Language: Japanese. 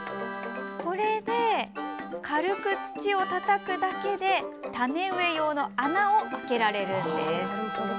これで軽く土をたたくだけで種植え用の穴を開けられます。